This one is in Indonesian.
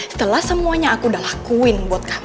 setelah semuanya aku udah lakuin buat kamu